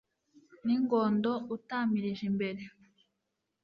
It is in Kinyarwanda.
n'ingondo utamirije imbere